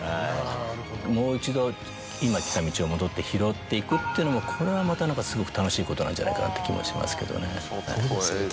もう一度今来た道を戻って拾っていくっていうのもこれはまた何かすごく楽しいことなんじゃないかなって気もしますけどね。